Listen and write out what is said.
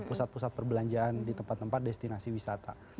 pusat pusat perbelanjaan di tempat tempat destinasi wisata